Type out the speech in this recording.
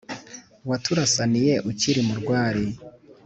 waturasaniye ukiri mu rwari,